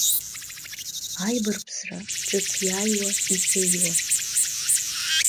Аибарԥсра, ҿыц ииааиуа-иҵеиуа…